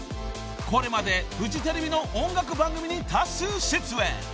［これまでフジテレビの音楽番組に多数出演。